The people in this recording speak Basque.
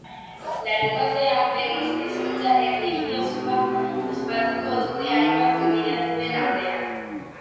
Larunbatean, berriz, ezkontza erlijiosoa ospatuko dute, hainbat gonbidaturen aurrean.